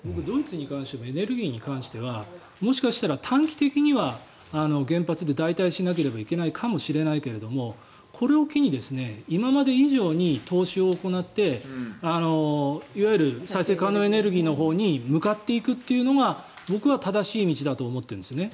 ドイツに関してもエネルギーに関しては短期的には原発で代替しなければいけないかもしれないけれどもこれを機に今まで以上に投資を行っていわゆる再生可能エネルギーのほうに向かっていくというのが僕は正しい道だと思っているんです。